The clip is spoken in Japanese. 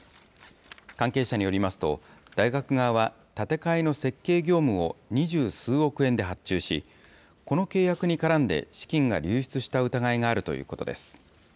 関係者によりますと、大学側は、建て替えの設計業務を二十数億円で発注し、この契約に絡んで資金が流出した疑いがあるということです。